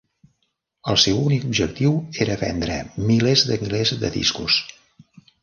El seu únic objectiu era vendre milers de milers de discos.